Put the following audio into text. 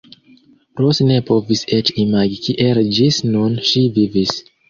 Ros ne povis eĉ imagi kiel ĝis nun ŝi vivis.